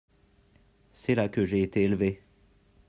C’est là que j’ai été élevé…